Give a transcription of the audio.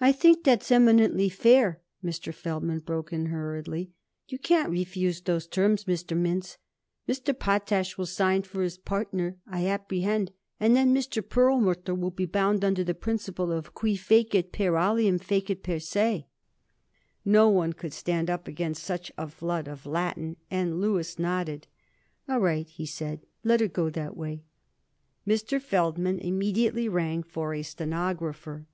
"I think that's eminently fair," Mr. Feldman broke in hurriedly. "You can't refuse those terms, Mr. Mintz. Mr. Potash will sign for his partner, I apprehend, and then Mr. Perlmutter will be bound under the principle of qui fecit per alium fecit per se." No one could stand up against such a flood of Latin, and Louis nodded. "All right," he said. "Let her go that way." Mr. Feldman immediately rang for a stenographer.